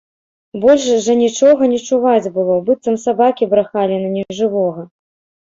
Больш жа нічога не чуваць было, быццам сабакі брахалі на нежывога.